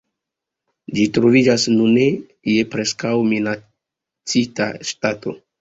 Ĝi troviĝas nune je preskaŭ-minacita stato.